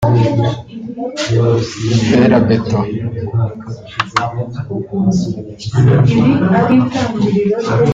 Fer à béton